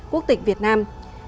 quốc tịch việt nam